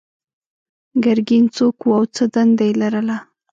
ګرګین څوک و او څه دنده یې لرله؟